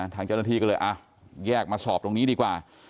ทางเจ้าหน้าที่ก็เลยแยกมาสอบตรงนี้ดีกว่า